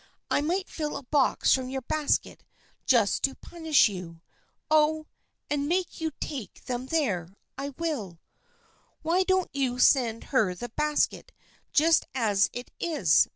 I might fill a box from your basket, just to punish you. Oh ! and make you take them there ! I will." " Why don't you send her the basket just as it is